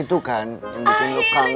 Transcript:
tidak seru sekali